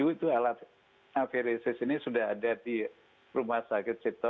itu alat aferesis ini sudah ada di rumah sakit cipto